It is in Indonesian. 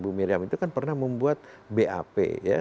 bu miriam itu kan pernah membuat bap ya